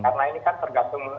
karena ini kan tergantung